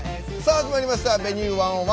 始まりました「Ｖｅｎｕｅ１０１」。